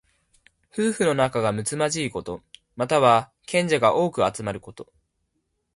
夫婦の仲がむつまじいこと。または、賢者が多く集まること。